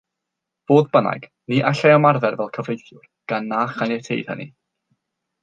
Fodd bynnag, ni allai ymarfer fel cyfreithiwr, gan na chaniateid hynny.